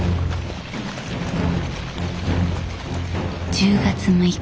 １０月６日。